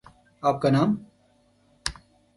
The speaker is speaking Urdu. آپ کا نام؟